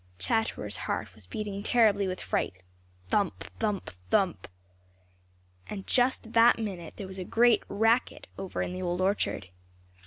Chatterer's heart was beating terribly with fright—thump, thump, thump! At just that minute there was a great racket over in the Old Orchard.